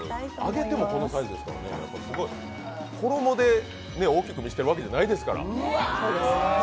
揚げてもこのサイズですからね、衣で大きく見せているわけじゃないですから。